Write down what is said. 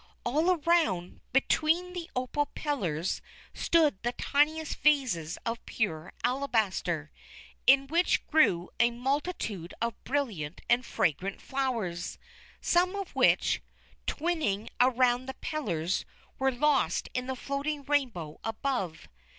All around, between the opal pillars, stood the tiniest vases of pure alabaster, in which grew a multitude of brilliant and fragrant flowers; some of which, twining around the pillars, were lost in the floating rainbow above.